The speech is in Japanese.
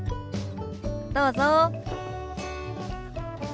どうぞ。